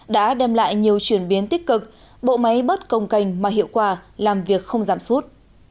đã đem lại nhiều chuyển biến tích cực bộ máy bớt công cành mà hiệu quả làm việc không giảm sút